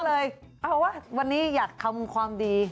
เอาว่าวันนี้อยากทำความดี